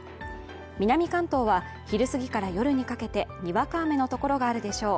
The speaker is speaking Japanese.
南関東は昼過ぎから夜にかけてにわか雨のところがあるでしょう。